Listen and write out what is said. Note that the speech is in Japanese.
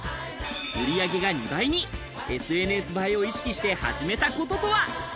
売り上げが２倍に、ＳＮＳ映えを意識して始めたこととは？